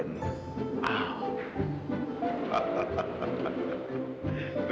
pinter juga pak